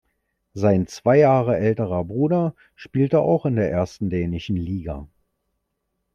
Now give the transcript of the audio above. Sein zwei Jahre älterer Bruder spielte auch in der ersten dänischen Liga.